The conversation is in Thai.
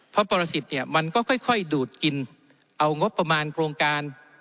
เพราะปรสิทธิ์เนี่ยมันก็ค่อยดูดกินเอางบประมาณโครงการ